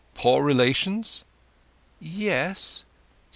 Poor relations?" "Yes."